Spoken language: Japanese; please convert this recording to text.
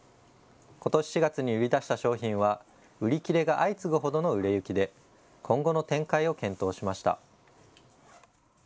ことし４月に売り出した商品は売り切れが相次ぐほどの売れ行きで今後の展開を検討しました。